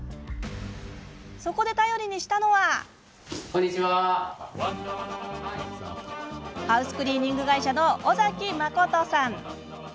そこで頼りにしたのはハウスクリーニング会社の尾崎真さん。